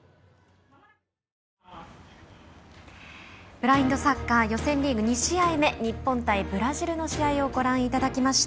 ブラインドサッカー予選リーグの２試合目日本対ブラジルの試合をご覧いただきました。